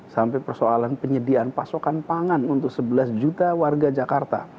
sampai persoalan penyediaan pasokan pangan untuk sebelas juta warga jakarta